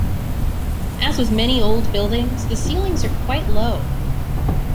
As with many old buildings, the ceilings are quite low.